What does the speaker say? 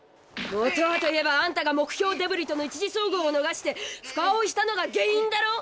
元はといえばあんたが目標デブリとの１次遭遇をのがして深追いしたのが原因だろ！